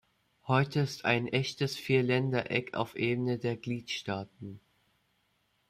Heute ist es ein echtes Vierländereck auf Ebene der Gliedstaaten.